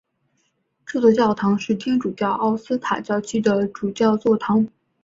这座教堂是天主教奥斯塔教区的主教座堂。